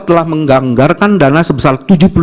telah mengganggarkan dana sebesar